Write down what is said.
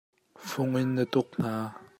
Fung in na tuk hna.